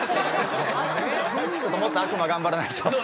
もっと悪魔頑張らないと。